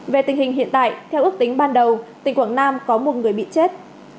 về tình hình hiện tại theo ước tính ban đầu tỉnh quảng nam có một người bị chết